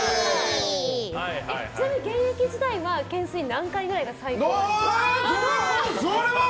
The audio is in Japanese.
ちなみに現役時代は懸垂何回ぐらいが。